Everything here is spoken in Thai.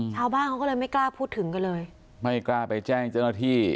ชาวบ้านเขาก็เลยไม่กล้าพูดถึงกันเลยไม่กล้าไปแจ้งเจ้าหน้าที่